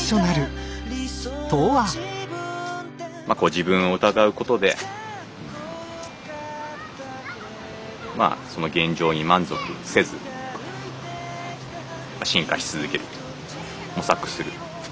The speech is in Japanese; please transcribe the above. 自分を疑うことでまあその現状に満足せず進化し続ける模索する。